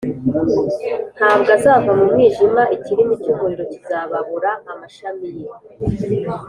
ntabwo azava mu mwijima, ikirimi cy’umuriro kizababura amashami ye,